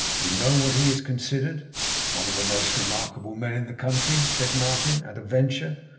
'You know what he is considered?' 'One of the most remarkable men in the country?' said Martin, at a venture.